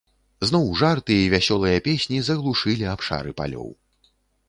Зноў жарты і вясёлыя песні заглушылі абшары палёў.